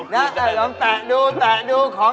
น่าจะลองแตะดูแตะดูของ